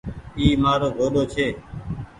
اي مآرو گوڏو ڇي۔